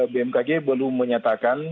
bmkg belum menyatakan